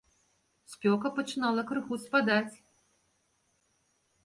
Спёка пачынала крыху спадаць.